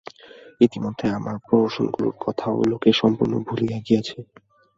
ইতিমধ্যে আমার প্রহসনগুলার কথাও লোকে সম্পূর্ণ ভুলিয়া গিয়াছে।